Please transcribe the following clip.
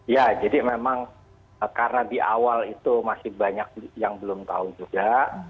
ya jadi memang karena di awal itu masih banyak yang belum tahu juga